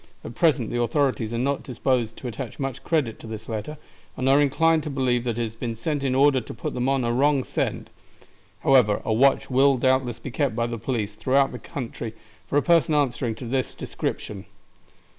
At present the authorities are not disposed to attach much credit to this letter, and are inclined to believe that it has been sent in order to put them on a wrong scent. However a watch will doubtless be kept by the police throughout the country for a person answering to this description."